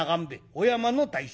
御山の大将